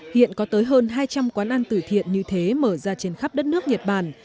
hiện có tới hơn hai trăm linh quán ăn tử thiện như thế mở ra trên khắp đất nước nhật bản